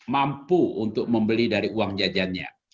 mampu untuk membeli dari uang jajannya